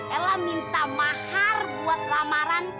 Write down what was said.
ella minta mahar buat lamaran